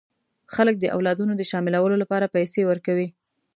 خلک د اولادونو د شاملولو لپاره پیسې ورکوي.